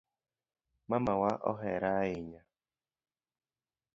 Mamawa ohera ahinya